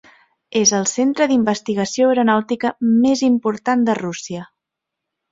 És el centre d'investigació aeronàutica més important de Rússia.